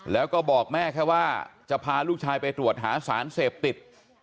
แล้วก็บอกแม่แค่ว่าจะพาลูกชายไปตรวจหาสารเสพติด